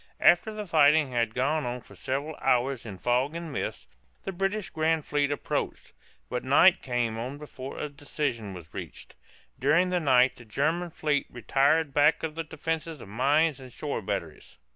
After the fighting had gone on for several hours in fog and mist, the British grand fleet approached, but night came on before a decision was reached. During the night the German fleet retired back of the defenses of mines and shore batteries.